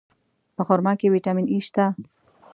په خرما کې ویټامین E شته.